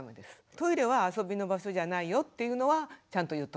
トイレは遊びの場所じゃないよというのはちゃんと言っとかないと駄目ですね。